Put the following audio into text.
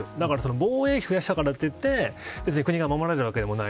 防衛費を増やしたからといって国が守られるわけでもない。